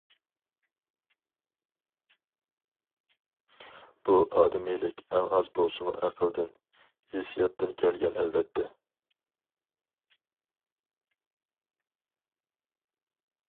بۇ ئادىمىيلىك ئەڭ ئاز بولسىمۇ ئەقىلدىن، ھېسسىياتتىن كەلگەن ئەلۋەتتە.